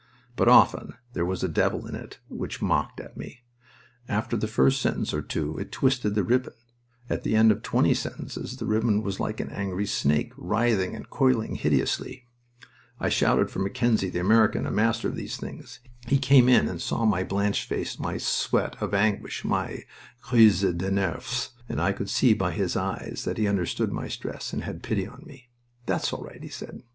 But often there was a devil in it which mocked at me. After the first sentence or two it twisted the ribbon; at the end of twenty sentences the ribbon was like an angry snake, writhing and coiling hideously. I shouted for Mackenzie, the American, a master of these things. He came in and saw my blanched face, my sweat of anguish, my crise de nerfs. I could see by his eyes that he understood my stress and had pity on me. "That's all right," he said.